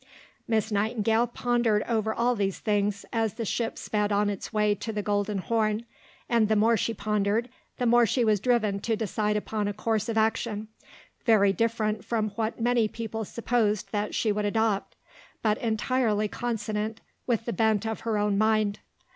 Miss Nightingale pondered over all these things as the ship sped on its way to the Golden Horn; and the more she pondered, the more she was driven to decide upon a course of action, very different from what many people supposed that she would adopt, but entirely consonant with the bent of her own mind.